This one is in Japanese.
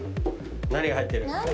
何が入ってる？